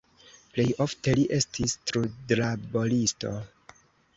Plej ofte li estis trudlaboristo.